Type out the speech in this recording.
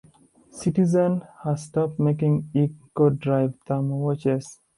Citizen has stopped making Eco-Drive Thermo watches.